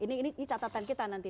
ini catatan kita nanti